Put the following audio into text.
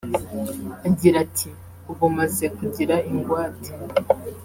Agira ati “Ubu maze kugira ingwate